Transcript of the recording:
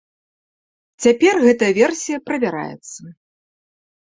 Цяпер гэта версія правяраецца.